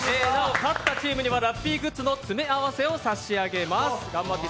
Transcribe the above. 買ったチームにはラッピーグッズの詰め合わせを差し上げます。